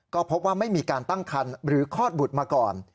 ก็พบว่าไม่มีการตั้งคันหรือคลอดบุตรมาก่อน